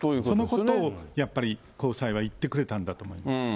そのことをやっぱり高裁は言ってくれたんだと思います。